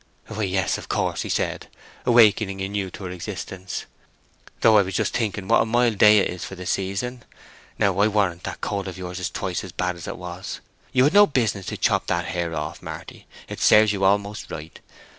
"Why, yes, of course," he said, awakening anew to her existence. "Though I was just thinking what a mild day it is for the season. Now I warrant that cold of yours is twice as bad as it was. You had no business to chop that hair off, Marty; it serves you almost right.